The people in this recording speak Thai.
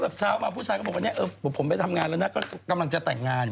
แล้วเช้ามาผู้ชายก็บอกวันนี้ผมไปทำงานแล้วกำลังจะแต่งงาน